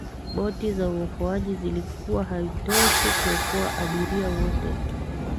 boti za uokoaji zilikuwa haitoshi kuokoa abiria wote